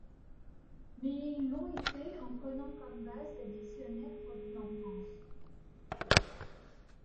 Mais ils l'ont été en prenant comme base des dictionnaires produits en France.